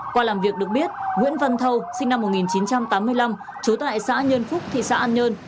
qua làm việc được biết nguyễn văn thâu sinh năm một nghìn chín trăm tám mươi năm trú tại xã nhân phúc thị xã an nhơn